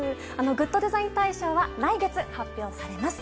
グッドデザイン賞は来月発表されます。